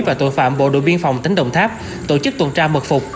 và tội phạm bộ đội biên phòng tỉnh đồng tháp tổ chức tuần tra mật phục